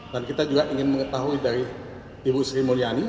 dan kita juga ingin mengetahui dari ibu sri mulyani